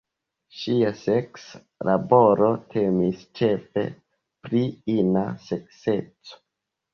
Ŝia seksa laboro temis ĉefe pri ina sekseco.